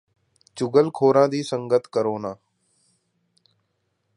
ਚੁਗਲ ਖੋਰਾਂ ਦੀ ਸੰਗਤ ਕਰੋ ਨਾਂ